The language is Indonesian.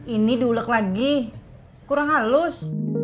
ini diulek lagi kurang halus